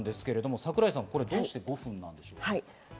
桜井さん、これどうして５分なんでしょうか？